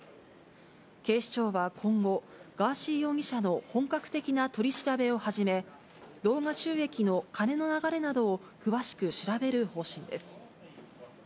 警視庁は今後、ガーシー容疑者の本格的な取り調べを始め、動画収益の金の流れなどを詳しく調べる方針です。